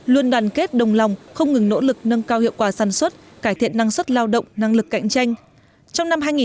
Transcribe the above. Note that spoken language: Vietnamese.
luôn đoàn kết đồng lòng không ngừng nỗ lực nâng cao hiệu quả sản xuất cải thiện năng suất lao động năng lực cạnh tranh